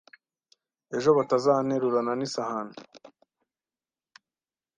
ejo bataza nterurana n'isahani